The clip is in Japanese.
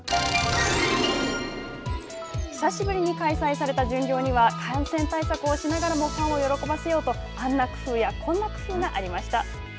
久しぶりに開催された巡業には感染対策をしながらもファンを喜ばせようとあんな工夫やこんな工夫がありました。